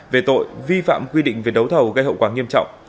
về tội vi phạm quy định về đấu thầu gây hậu quả nghiêm trọng